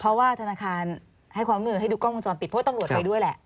เพราะว่าธนาคารให้ความมือให้ดูกล้องมังจรปิดโพสต์ตำรวจไปด้วยแหละ